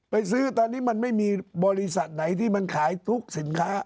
ซื้อตอนนี้มันไม่มีบริษัทไหนที่มันขายทุกสินค้า